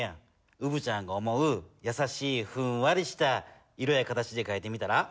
うぶちゃんが思うやさしいふんわりした色や形でかいてみたら？